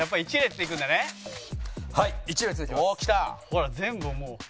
ほら全部をもう。